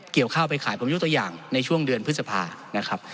ข้าวไปขายผมยกตัวอย่างในช่วงเดือนพฤษภานะครับ